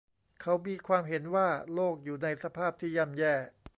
เขามีความเห็นว่าโลกอยู่ในสภาพที่ย่ำแย่